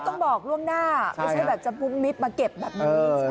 ต้องบอกล่วงหน้าไม่ใช่แบบจะพุมมิตรมาเก็บแบบนี้